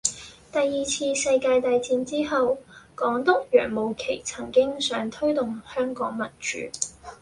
第二次世界大戰之後，港督楊慕琦曾經想推動香港民主